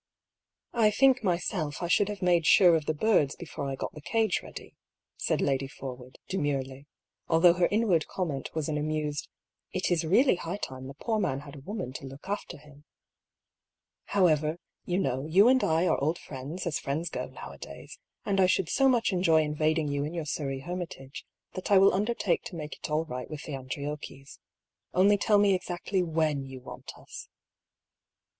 "I think myself I should have made sure of the birds before I got the cage ready," said Lady Forwood, demurely (although her inward comment was an amused " It is really high time the poor man had a woman to look after him ")." However, you know, you and I are old friends, as friends go nowadays, and I should so much enjoy invading you in your Surrey hermitage, that I will undertake to make it all right with the Andriocchis. Only tell me exactly when you want us."